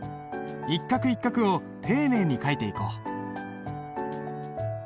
一画一画を丁寧に書いていこう。